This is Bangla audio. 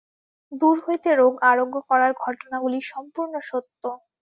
দূর হইতে রোগ আরোগ্য করার ঘটনাগুলি সম্পূর্ণ সত্য।